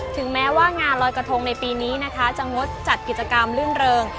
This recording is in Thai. ถึงแม้ว่างานลอยกระทงในปีนี้นะคะจะงดจัดกิจกรรมลื่นเริง